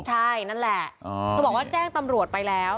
ใช่นั่นแหละเธอบอกว่าแจ้งตำรวจไปแล้ว